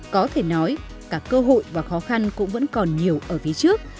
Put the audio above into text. có thể nói cả cơ hội và khó khăn cũng vẫn còn nhiều ở phía trước